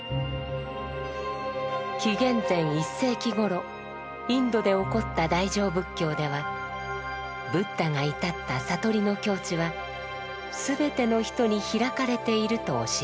紀元前１世紀頃インドで興った大乗仏教ではブッダが至った悟りの境地はすべての人に開かれていると教えます。